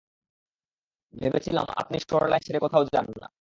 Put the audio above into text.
ভেবেছিলাম, আপনি শোরলাইন ছেড়ে কোথাও যান না।